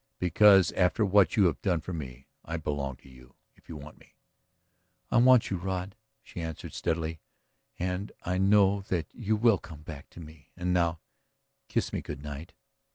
"Because after what you have done for me, I belong to you ... if you want me." "I want you, Rod," she answered steadily. "And I know that you will come back to me. And now ... kiss me good night."